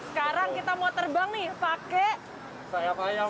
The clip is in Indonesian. sekarang kita mau terbang nih pakai sayap sayang